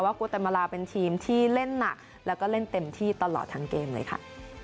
โกเตมาลาเป็นทีมที่เล่นหนักแล้วก็เล่นเต็มที่ตลอดทั้งเกมเลยค่ะ